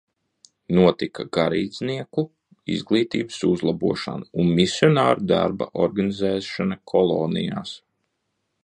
Notika garīdznieku izglītības uzlabošana un misionāru darba organizēšana kolonijās.